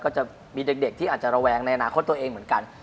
ก็จะมีเด็กที่อาจจะระแวงในอนาคตตัวเองเหมือนกัน